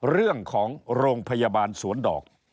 เรื่องของโรงพยาบาลสวนดอก